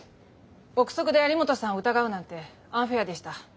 臆測で有本さんを疑うなんてアンフェアでした。